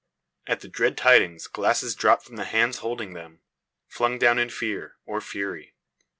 At the dread tidings, glasses drop from the hands holding them, flung down in fear, or fury.